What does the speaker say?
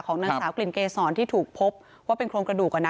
นางสาวกลิ่นเกษรที่ถูกพบว่าเป็นโครงกระดูก